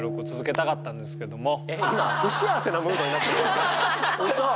今不幸せなムードになってるの？